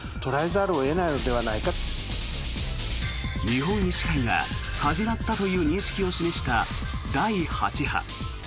日本医師会が始まったという認識を示した第８波。